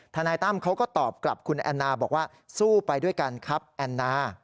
นายตั้มเขาก็ตอบกลับคุณแอนนาบอกว่าสู้ไปด้วยกันครับแอนนา